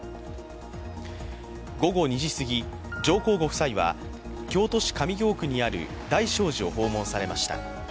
午後２時過ぎ、上皇ご夫妻は京都市上京区にある大聖寺を訪問されました。